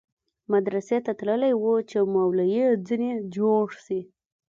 مدرسې ته تللى و چې مولوى ځنې جوړ سي.